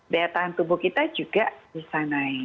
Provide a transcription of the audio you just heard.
daya tahan tubuh kita juga bisa naik